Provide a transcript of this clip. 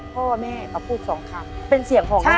พ่อแม่เขาพูดสองคำเป็นเสียงของแม่